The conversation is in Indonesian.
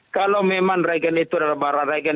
kalau memang regen itu adalah para regen